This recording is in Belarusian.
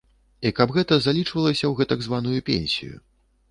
І каб гэта залічвалася ў гэтак званую пенсію.